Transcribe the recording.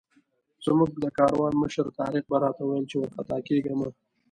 زموږ د کاروان مشر طارق به راته ویل چې وارخطا کېږه مه.